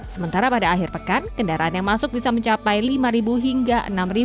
sementara pada akhir pekan kendaraan yang masuk bisa mencapai lima hingga enam